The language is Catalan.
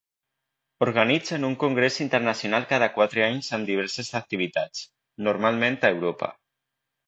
Organitzen un congrés internacional cada quatre anys amb diverses activitats, normalment a Europa.